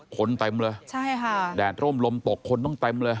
คนต้องเต็มเลยแดดโร่งลมตกคนต้องเต็มเลย